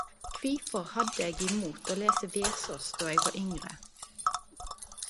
Kvifor hadde eg imot å lese Vesaas da eg var yngre?